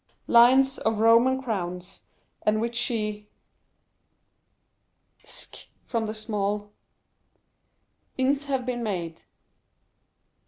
lions of Roman crowns, and which he ...ck from the small ...ings have been made